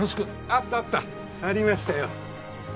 ありましたよ